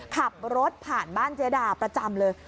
ขับรถผ่านบ้านเจ๊ดาประจำเลย